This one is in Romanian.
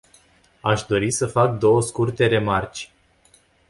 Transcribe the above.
Aș dori să fac două scurte remarci.